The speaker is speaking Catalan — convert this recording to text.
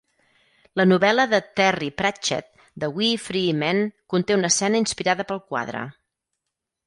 La novel·la de Terry Pratchett "The Wee Free Men" conté una escena inspirada pel quadre.